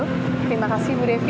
terima kasih bu devi